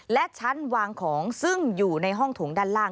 และชั้นวางของซึ่งอยู่ในห้องถงด้านล่าง